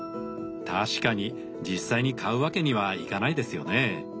確かに実際に買うわけにはいかないですよね。